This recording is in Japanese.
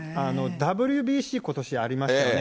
ＷＢＣ、ことしはありましたよね。